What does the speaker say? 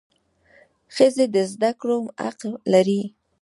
ښځي د زده کړو حق لري.